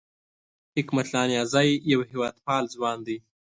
حکمت الله نیازی یو هېواد پال ځوان دی